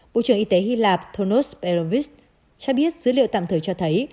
bộ trưởng y tế hy lạp thonos erovis cho biết dữ liệu tạm thời cho thấy